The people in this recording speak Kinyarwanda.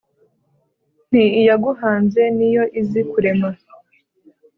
Nti : Iyaguhanze ni yo izi kurema